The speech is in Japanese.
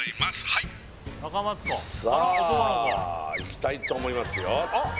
はいさあいきたいと思いますよ